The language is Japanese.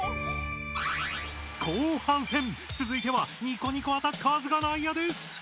後半戦つづいてはニコニコアタッカーズが内野です。